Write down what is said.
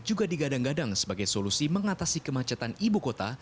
juga digadang gadang sebagai solusi mengatasi kemacetan ibu kota